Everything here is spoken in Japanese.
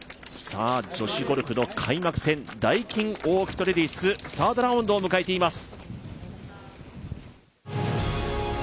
女子ゴルフの開幕戦ダイキンオーキッドレディス、サードラウンドを迎えています。